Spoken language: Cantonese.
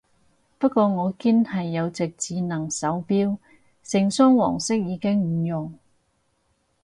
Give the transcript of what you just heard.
不過我堅係有隻智能手錶，成隻黃色已經唔用